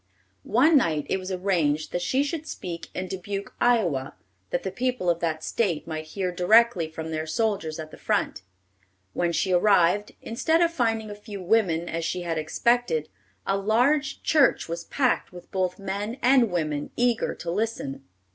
One night it was arranged that she should speak in Dubuque, Iowa, that the people of that State might hear directly from their soldiers at the front. When she arrived, instead of finding a few women as she had expected, a large church was packed with both men and women, eager to listen.